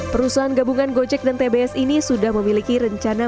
perusahaan gabungan gojek dan tbs ini sudah memiliki rencana